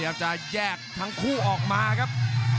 อยากจะแยกทั้งคู่ออกมาครับ